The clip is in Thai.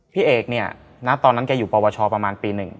พี่เอกเนี่ยณตอนนั้นแกอยู่ปวชประมาณปี๑